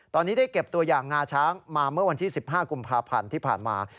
ตอนนี้ได้เก็บตัวอย่างงาช้างมาเมื่อวันที่๑๕กุมภาพันธ์ที่ผ่านมา